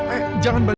eh jangan balik